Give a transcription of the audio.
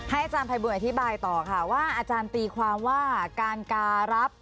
อาจารย์ภัยบูลอธิบายต่อค่ะว่าอาจารย์ตีความว่าการการับ